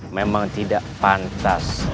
memang tidak pantas